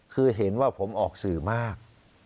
คือเห็นว่าผมออกสื่อมาก